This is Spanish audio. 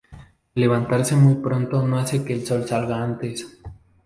El levantarse muy pronto no hace que el sol salga antes